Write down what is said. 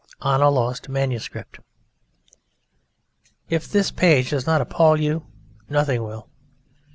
ON A LOST MANUSCRIPT If this page does not appal you, nothing will.